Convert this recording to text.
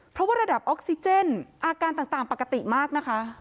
เพราะว่าระดับออกซิเจนอาการต่างปกติมากนะคะ